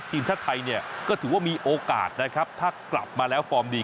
ทีมชาติไทยเนี่ยก็ถือว่ามีโอกาสนะครับถ้ากลับมาแล้วฟอร์มดี